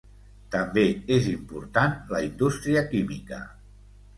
També és important la indústria química.